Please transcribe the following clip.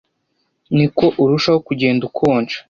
ni ko urushaho kugenda ukonja